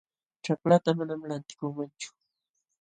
Ćhaklaata manam lantikuumanchu